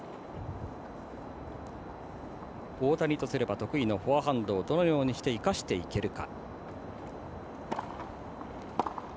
大谷とすれば得意のフォアハンドをどのようにして生かしていけるか。